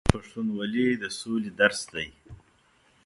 پښتونولي د سولې درس دی.